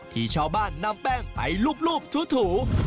ที่ชาวบ้านนำแป้งไปรูปถู